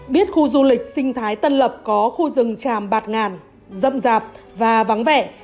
biết khu du lịch sinh thái tân lập có khu rừng tràm bạt ngàn rậm rạp và vắng vẻ